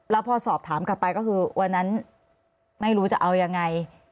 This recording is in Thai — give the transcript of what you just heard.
แล้วพอสอบถามกลับไปก็คือวันนั้นไม่รู้จะเอายังไง